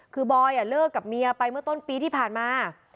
คือบอยเลิกกับเมียไปเมื่อต้นปีที่ผ่านมา